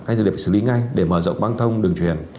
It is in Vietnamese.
hay là phải xử lý ngay để mở rộng băng thông đường truyền